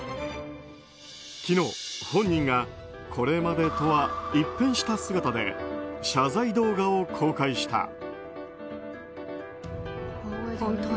昨日、本人がこれまでとは一変した姿で謝罪動画を公開した。